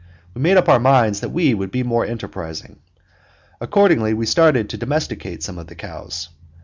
We made up our minds that we would be more enterprising. Accordingly, we started to domesticate some of the cows.